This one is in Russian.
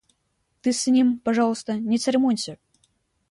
Ты с ним, пожалуйста, не церемонься.